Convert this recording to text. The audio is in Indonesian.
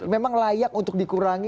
memang layak untuk dikurangi